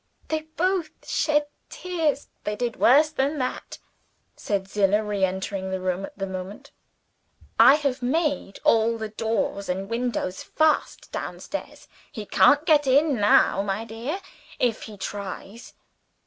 They both shed tears " "They did worse than that," said old Zillah, re entering the room at the moment. "I have made all the doors and windows fast, downstairs; he can't get in now, my dear, if he tries."